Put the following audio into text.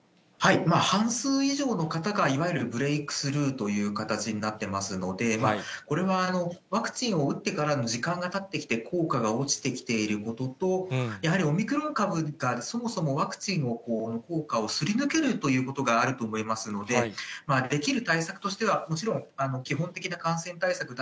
半数以上の方がいわゆるブレークスルーという形になってますので、これはワクチンを打ってからの時間がたってきて効果が落ちてきていることと、やはりオミクロン株がそもそもワクチンの効果をすり抜けるということがあると思いますので、できる対策としてはもちろん、基本的な感染対策